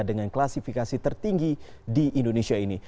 dengan klasifikasi tertinggi di indonesia ini